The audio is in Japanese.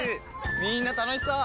みんな楽しそう！